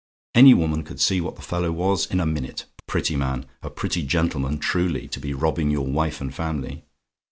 Any woman could see what the fellow was in a minute. Prettyman! a pretty gentleman, truly, to be robbing your wife and family!